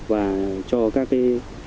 và cho các cái